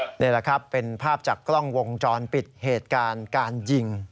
นี่แหละครับเป็นภาพจากกล้องวงจรปิดเหตุการณ์การยิง